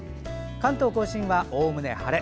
関東・甲信は、おおむね晴れ。